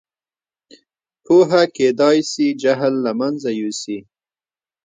پوهه کېدای سي جهل له منځه یوسي.